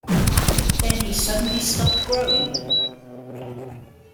Then he suddenly stopped growing.